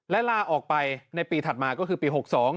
และลาออกไปในปีถัดมาก็คือปี๖๒